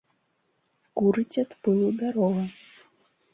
Курыць ад пылу дарога.